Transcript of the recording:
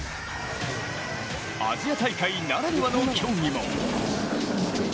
アジア大会ならではの競技も。